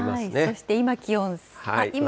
そして今、気温。